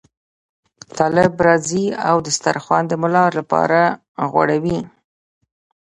طالب راځي او دسترخوان د ملا لپاره غوړوي.